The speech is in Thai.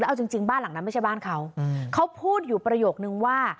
เอาจริงบ้านหลังนั้นไม่ใช่บ้านเขาเขาพูดอยู่ประโยคนึงว่า